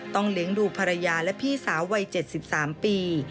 เลี้ยงดูภรรยาและพี่สาววัย๗๓ปี